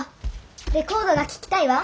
レコードが聴きたいわ。